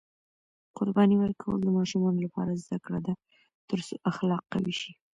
قرباني ورکول د ماشومانو لپاره زده کړه ده ترڅو اخلاق قوي شي.